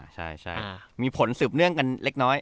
ใช่มีผลสืบเนื่องกันเล็กน้อย